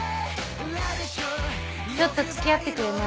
ちょっと付き合ってくれない？